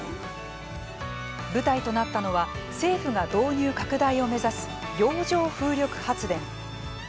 舞台となったのは政府が導入拡大を目指す洋上風力発電。